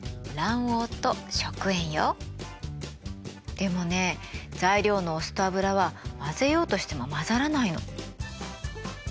でもね材料のお酢と油は混ぜようとしても混ざらないの。